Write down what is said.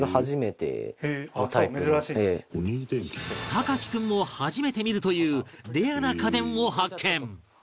隆貴君も初めて見るというレアな家電を発見